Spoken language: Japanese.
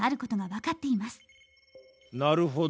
なるほど。